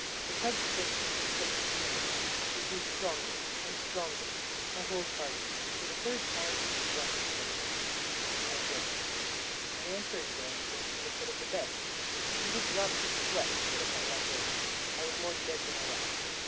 The tug strengthened to a steady strain—it grew stronger and stronger. My hold parted, and for the third time the blankets slid away. I groaned. An answering groan came from the foot of the bed! Beaded drops of sweat stood upon my forehead. I was more dead than alive.